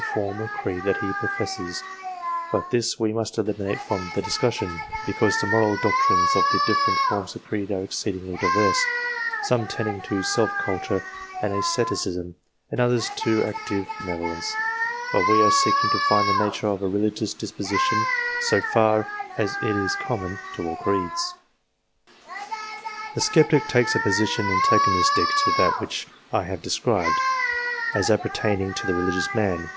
The religious man would further dwell" on the moral doctrine of the form of creed that he professes ; but this we must eliminate from the discussion, because the moral doctrines of the different forms of creed are exceedingly diverse, some tending to DIVINES self culture and asceticism, and others to active benevo lence ; while we are seeking to find the nature of a religious disposition, so far as it is common to all creeds. The sceptic takes a position antagonistic to that which I have described, as appertaining to the religious man.